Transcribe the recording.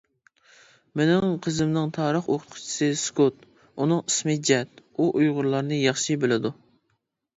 مېنىڭ قىزىمنىڭ تارىخ ئوقۇتقۇچىسى سكوت، ئۇنىڭ ئىسمى جەد، ئۇ ئۇيغۇرلارنى ياخشى بىلىدۇ.